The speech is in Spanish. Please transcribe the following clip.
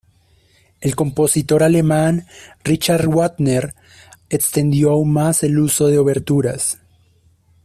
El compositor alemán Richard Wagner extendió aún más el uso de oberturas.